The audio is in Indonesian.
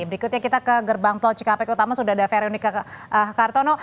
berikutnya kita ke gerbang tol cikampek utama sudah ada veronica kartono